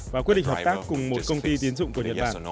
và quyết định hợp tác cùng một công ty tiến dụng của nhật bản